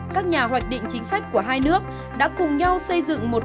các nhà hoạch định chính sách của hai nước đã cùng nhau xây dựng một biên tập